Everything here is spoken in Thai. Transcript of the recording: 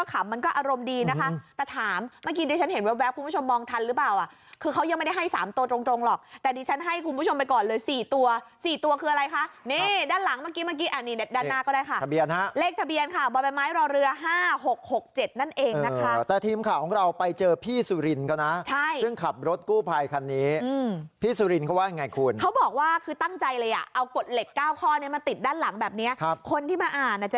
เลขทะเบียนข่าวบ่าไม้ไม้รอเรือ๕๖๖๗นั่นเองนะค่ะแต่ทีมข่าวของเราไปเจอพี่สุรินทร์ก็นะใช่ซึ่งขับรถกู้ภัยคันนี้พี่สุรินทร์ก็ว่ายังไงคุณเขาบอกว่าคือตั้งใจเลยอ่ะเอากดเหล็ก๙ข้อนี้มาติดด้านหลังแบบนี้คนที่มาอ่านจะ